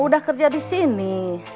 udah kerja di sini